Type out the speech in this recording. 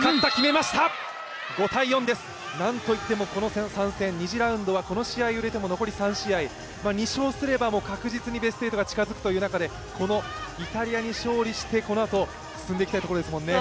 なんといってもこの３戦、２次ラウンドはこの試合を入れても残り３試合、２勝すれば確実にベスト８が近付く中でイタリアに勝利して、このあと進んでいきたいところですもんね。